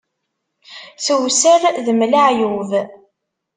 Tewser d mm laɛyub.